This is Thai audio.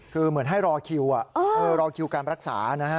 คือเหมือนให้รอคิวรอคิวการรักษานะฮะ